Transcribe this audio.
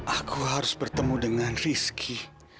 aku harus bertemu dengan rizky